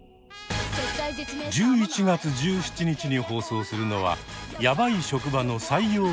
１１月１７日に放送するのは「ヤバい職場の採用担当者」。